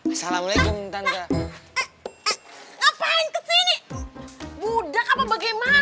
eh ternyata enggak pak deddy